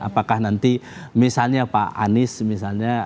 apakah nanti misalnya pak anies misalnya